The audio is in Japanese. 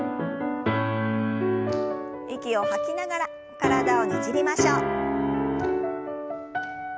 息を吐きながら体をねじりましょう。